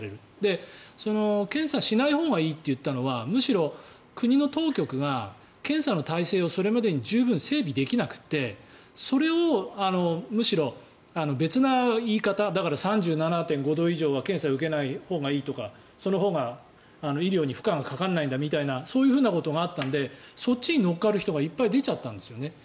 検査しないほうがいいと言ったのはむしろ国の当局が検査の体制をそれまでに十分整備できなくてそれをむしろ、別な言い方３７．５度以上は検査を受けないほうがいいとかそのほうが医療に負荷がかからないんだみたいなそういうことがあったのでそっちに乗っかる人がいっぱい出ちゃったんですよね。